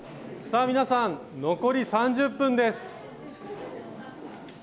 さあ皆さん残り３０分です。